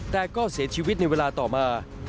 แต่ก็เสียชีวิตในเวลาต่อมา